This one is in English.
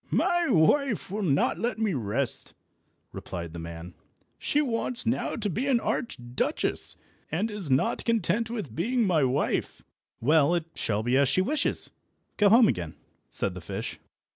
"My wife will not let me rest," replied the man; "she wants now to be an Archduchess, and is not content with being my wife." "Well, it shall be as she wishes. Go home again," said the fish.